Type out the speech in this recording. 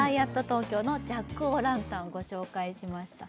東京のジャックオランタンをご紹介しました